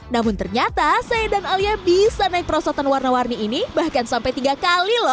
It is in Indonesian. namun ternyata saya dan alia bisa naik perosotan warna warni ini bahkan sampai tiga kali loh